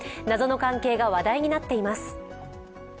謎の関係が話題になっています。